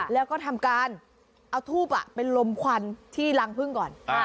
แล้วก็ทำการเอาทูบไปลมควันที่รังพึ่งก่อน